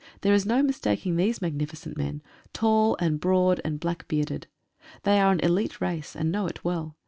There is no mistaking these magnificent men, tall and broad and black bearded. They are an elite race, and know it well.